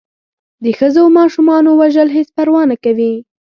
د ښځو و ماشومانو وژل هېڅ پروا نه کوي.